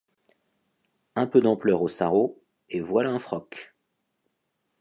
Un peu d’ampleur au sarrau, et voilà un froc.